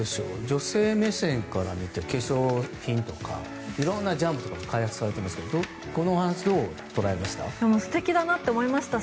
女性目線から見て化粧品とか色んなジャムとかも開発されてますけどこのお話はどう捉えました？